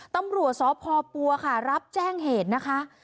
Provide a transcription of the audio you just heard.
ตำรวจสพปัวค่ะรับแจ้งเหตุนะคะ